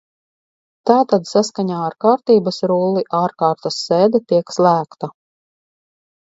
Tātad saskaņā ar Kārtības rulli ārkārtas sēde tiek slēgta.